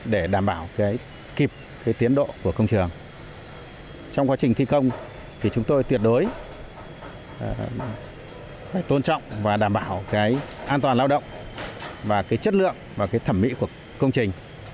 để đảm bảo kịp tiến độ của công trường trong quá trình thi công chúng tôi tuyệt đối tôn trọng và đảm bảo an toàn lao động chất lượng và thẩm mỹ của công trình